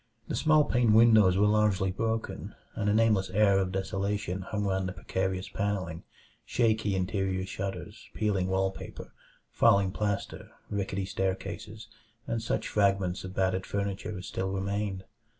The small paned windows were largely broken, and a nameless air of desolation hung round the precarious panelling, shaky interior shutters, peeling wall paper, falling plaster, rickety staircases, and such fragments of battered furniture as still remained.